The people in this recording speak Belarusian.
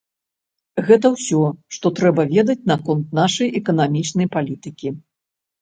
Гэта ўсё, што трэба ведаць наконт нашай эканамічнай палітыкі.